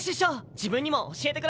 自分にも教えてください。